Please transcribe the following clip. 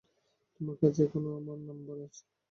তোমার কাছে এখনো আমার নাম্বার আছে?